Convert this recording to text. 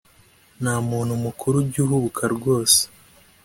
nta muntu mukuru ujya uhubuka rwose